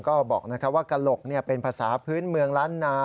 ก็บอกว่ากระหลกเป็นภาษาพื้นเมืองล้านนา